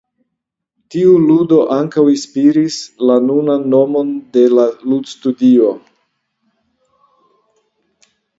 Tiu ludo ankaŭ inspiris la nunan nomon de la ludstudio.